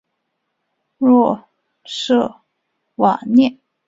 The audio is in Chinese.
若杜瓦涅。